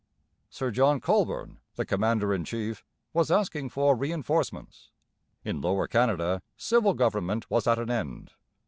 Sir John Colborne, the commander in chief, was asking for reinforcements. In Lower Canada civil government was at an end.